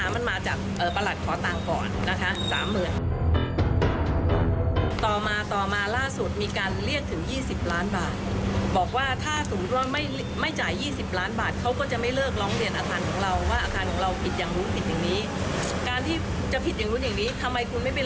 มันมาจากประหลักขอตังค์ก่อนนะคะ๓๐๐๐๐ต่อมาต่อมาล่าสุดมีการเรียกถึง๒๐ล้านบาทบอกว่าถ้าสมร่วมไม่ไม่จ่าย๒๐ล้านบาทเขาก็จะไม่เลิกร้องเรียนอาธารณ์ของเราว่าอาธารณ์ของเราผิดอย่างนู้นผิดอย่างนี้การที่จะผิดอย่างนู้นอย่างนี้ทำไมคุณไม่ไปเรียกถึง๒๐ล้านบาทเขาก็จะไม่เลิกร้องเรียนอาธารณ์ของเราว่าอาธารณ์